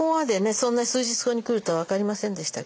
そんな数日後に来るとは分かりませんでしたけどね